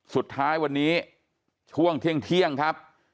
สุดท้ายวันนี้ช่วงเที่ยงครับ